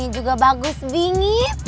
ini juga bagus bingit